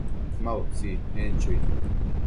Ma utsi, en chui